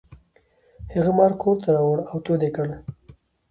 هغه مار کور ته راوړ او تود یې کړ.